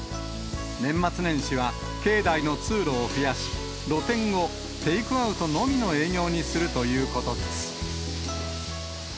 年末年始は境内の通路を増やし、露店をテイクアウトのみの営業にするということです。